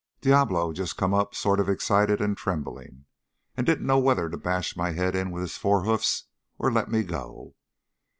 Diablo just come up sort of excited and trembling and didn't know whether to bash my head in with his forehoofs or let me go.